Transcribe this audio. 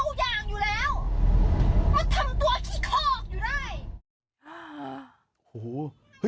ก็ทำตัวขี้คอกอยู่ได้